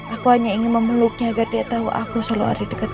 aku hanya ingin memeluknya agar dia tahu aku selalu ada di dekat